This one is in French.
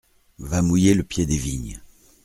Va mouiller le pied des vignes.